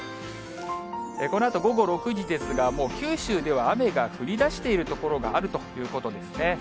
このあと午後６時ですが、もう九州では雨が降りだしている所があるということですね。